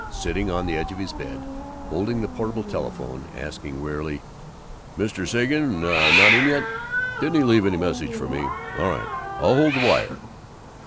Sitting on the edge of his bed, holding the portable telephone, asking wearily, "Mr. Sagen not in yet? Didn' he leave any message for me? All right, I'll hold the wire."